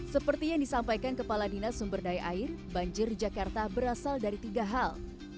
seperti yang disampaikan kepala dinas sumberdaya air banjir jakarta berasal dari tiga hal